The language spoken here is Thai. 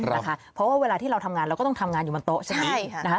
เราทำงานเราก็ต้องทำงานอยู่บนโต๊ะใช่มั้ย